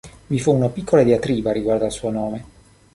Vi fu una piccola diatriba riguardo al suo nome.